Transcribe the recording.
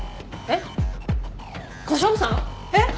えっ？